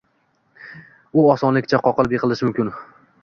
U osonlikcha qoqilib, yiqilishi mumkin.